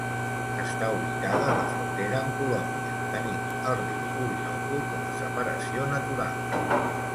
Està ubicada a la frontera amb Colòmbia, tenint el riu Orinoco com a separació natural.